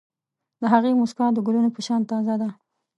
د هغې موسکا د ګلونو په شان تازه ده.